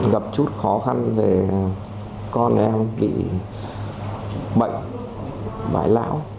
gặp chút khó khăn về con em bị bệnh bãi lão